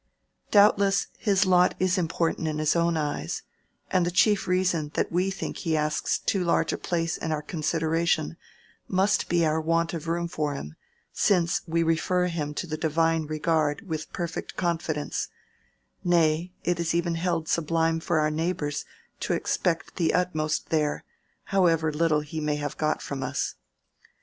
Doubtless his lot is important in his own eyes; and the chief reason that we think he asks too large a place in our consideration must be our want of room for him, since we refer him to the Divine regard with perfect confidence; nay, it is even held sublime for our neighbor to expect the utmost there, however little he may have got from us.